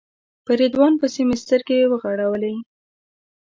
په رضوان پسې مې سترګې وغړولې.